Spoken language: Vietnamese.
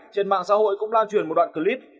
trên mạng xã hội cũng lan truyền một đoạn clip